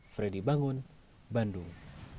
fredy bangun bandung